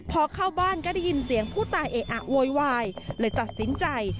พอเข้าบ้านก็ได้ยินเสียงผู้ตายเอะอะโวยวายเลยตัดสินใจ